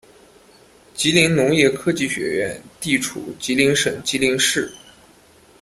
吉林农业科技学院地处吉林省吉林市。